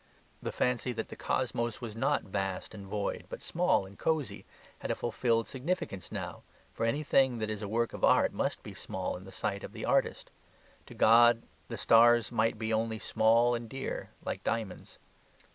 The fancy that the cosmos was not vast and void, but small and cosy, had a fulfilled significance now, for anything that is a work of art must be small in the sight of the artist; to God the stars might be only small and dear, like diamonds.